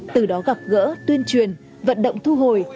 từ đó gặp gỡ tuyên truyền vận động thu hồi